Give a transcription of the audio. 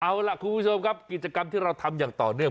เอาล่ะคุณผู้ชมครับกิจกรรมที่เราทำอย่างต่อเนื่อง